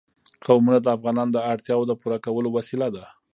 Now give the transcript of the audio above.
قومونه د افغانانو د اړتیاوو د پوره کولو وسیله ده.